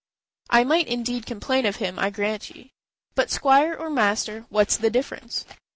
I might indeed complain of him, I grant ye, But, squire or master, where's the difference?